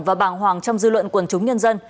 và bàng hoàng trong dư luận quần chúng nhân dân